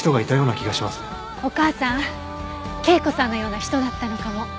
お母さん圭子さんのような人だったのかも。